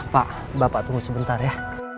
pak bapak tunggu sebentar ya